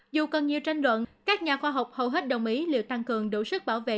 dù còn nhiều tranh luận các nhà khoa học hầu hết đồng ý liệu tăng cường đủ sức bảo vệ